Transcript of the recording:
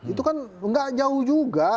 itu kan nggak jauh juga